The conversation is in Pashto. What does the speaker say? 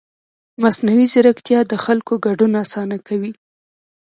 مصنوعي ځیرکتیا د خلکو ګډون اسانه کوي.